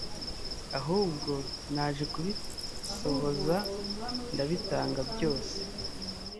ahubwo naje kubisohoza ndabitanga byose